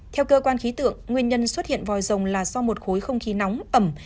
theo cơ quan khí tượng nguyên nhân xuất hiện vòi rồng là do một khối không khí nóng ẩm